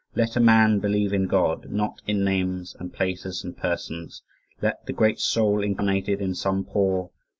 "Let a man believe in God, not in names and places and persons. Let the great soul incarnated in some poor